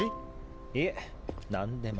いえ何でも。